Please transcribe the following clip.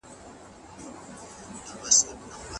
د ژبې ګرامر مراعات کول پکار دي.